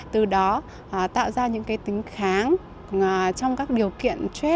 từ đó tạo ra những tính kháng trong các điều kiện chết